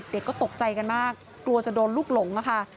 เด็กก็ตกใจกันมากกลัวจะโดนลูกหลงค่ะ